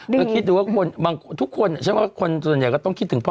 ก็คิดดูว่าทุกคนฉันว่าคนส่วนใหญ่ก็ต้องคิดถึงพ่อ